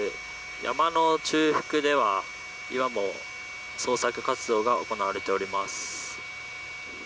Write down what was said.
山の中腹では今も捜索活動が行われております。